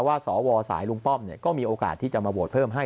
สวสายลุงป้อมก็มีโอกาสที่จะมาโหวตเพิ่มให้